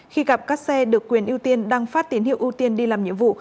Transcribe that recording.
khi gặp các xe được quyền ưu tiên đang phát tín hiệu ưu tiên đi làm nhiệm vụ